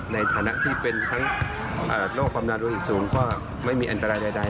ในฐานะที่เป็นทั้งโรคความดันโลหิตสูงก็ไม่มีอันตรายใด